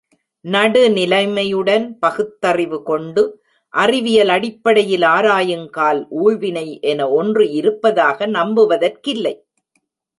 நடுநிலைமையுடன் பகுத்தறிவு கொண்டு அறிவியல் அடிப்படையில் ஆராயுங்கால் ஊழ்வினை என ஒன்று இருப்பதாக நம்புவதற்கில்லை.